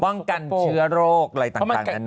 ป้องกันเชื้อโรคหลายการกำนัดนะ